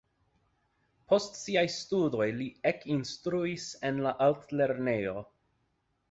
Post siaj studoj li ekinstruis en la altlernejo.